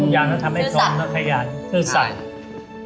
อย่างนั้นทำให้ชมแล้วขยันชื่อสัตว์